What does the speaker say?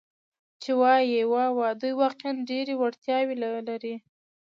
چې ووایي: 'واو، دوی واقعاً ډېرې وړتیاوې لري.